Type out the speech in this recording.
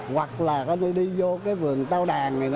hoặc là đi vô cái vườn tao đàn này